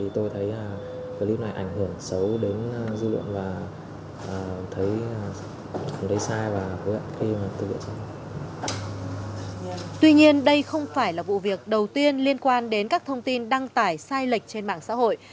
tuy nhiên đây không phải là vụ việc đầu tiên liên quan đến các thông tin đăng tải sai lệch trên mạng xã hội